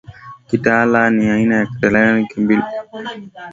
Kitala ni aina ya talaka au kukimbilia katika nyumba ya mke wa baba